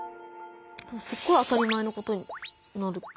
すごい当たり前のことになるけど。